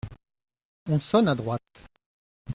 On sonne à droite.